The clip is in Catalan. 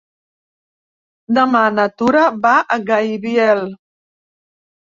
Demà na Tura va a Gaibiel.